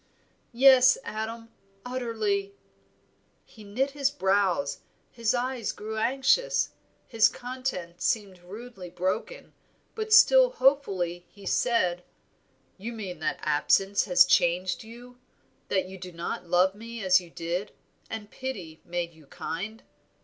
"Yes, Adam, utterly." He knit his brows, his eye grew anxious, his content seemed rudely broken, but still hopefully he said "You mean that absence has changed you, that you do not love me as you did, and pity made you kind?